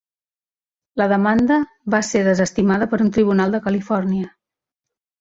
La demanda va ser desestimada per un tribunal de Califòrnia.